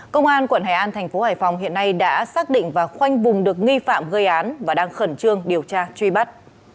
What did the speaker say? công an quận hải an thành phố hải phòng hiện nay đã xác định và khoanh vùng được nghi phạm gây án và đang khẩn trương điều tra truy bắt